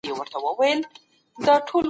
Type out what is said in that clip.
ټولنیز نظام په دوو اصلي بڼو ویشل سوی دی.